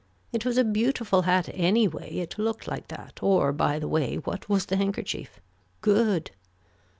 It was a beautiful hat anyway it looked like that or by the way what was the handkerchief. Good.